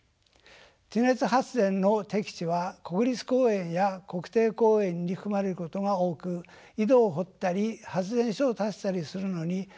地熱発電の適地は国立公園や国定公園に含まれることが多く井戸を掘ったり発電所を建てたりするのに大きな制約があります。